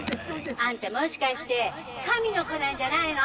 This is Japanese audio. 「あんたもしかして神の子なんじゃないの？」。